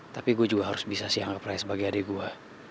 tapi gua juga harus bisa sianggap ray sebagai adik gua